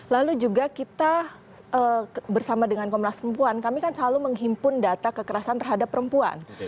lalu juga kita bersama dengan komnas perempuan kami kan selalu menghimpun data kekerasan terhadap perempuan